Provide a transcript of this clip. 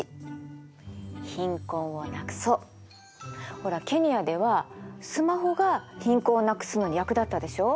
ほらケニアではスマホが貧困をなくすのに役立ったでしょう？